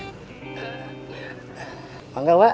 selamat pagi pak